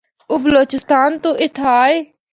او بلوچستان تو اِتھا آئے۔